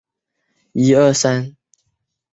云南省是中国地震活动最活跃的省份之一。